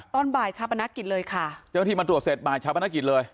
ตอนบ่ายชาปนกิจเลยค่ะเจ้าที่มาตรวจเสร็จบ่ายชาปนกิจเลย